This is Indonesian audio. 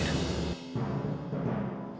kau tahu bara